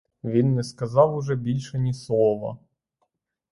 Він не сказав уже більше ні слова.